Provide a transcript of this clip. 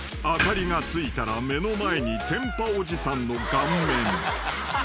［明かりがついたら目の前に天パおじさんの顔面］